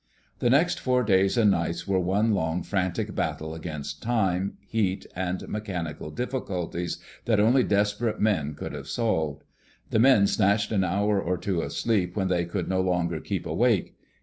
The next four days and nights were one long, frantic battle against time, heat, and mechanical difficulties that only desperate men could have solved. The men snatched an hour or two of sleep when they could no longer keep awake.